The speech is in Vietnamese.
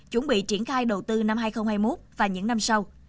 chuẩn bị triển khai đầu tư năm hai nghìn hai mươi một và những năm sau